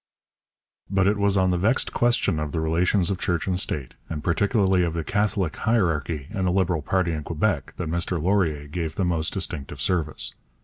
But it was on the vexed question of the relations of church and state, and particularly of the Catholic hierarchy and the Liberal party in Quebec, that Mr Laurier gave the most distinctive service.